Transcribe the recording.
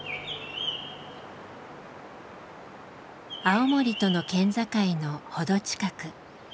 青森との県境の程近く。